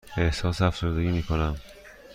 احساس افسردگی می کنم.